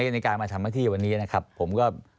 ในการมาทำหน้าที่วันนี้นะครับผมก็